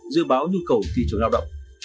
dự báo nhu cầu thị trường lao động